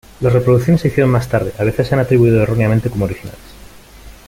Las reproducciones se hicieron más tarde; a veces se han atribuido erróneamente como originales.